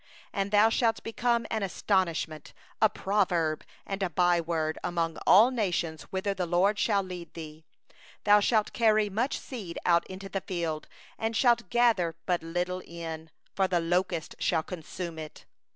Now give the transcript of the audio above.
37And thou shalt become an astonishment, a proverb, and a byword, among all the peoples whither the LORD shall lead thee away. 38Thou shalt carry much seed out into the field, and shalt gather little in; for the locust shall consume it.